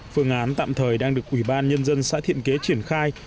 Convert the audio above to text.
phương án tạm thời đang được ủy ban nhân dân xã thiện kế triển khai